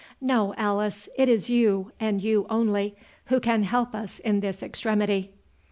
No, Alice, it is you, and you only, who can help us in this extremity."